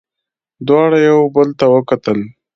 دواړو یو بل ته وکتل.